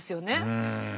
うん。